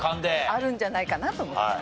あるんじゃないかなと思って。